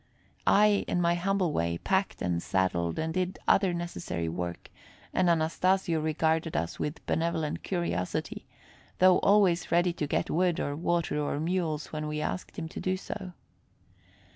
I in my humble way packed and saddled and did other necessary work, and Anastasio regarded us with benevolent curiosity, though always ready to get wood or water or mules when we asked him to do so.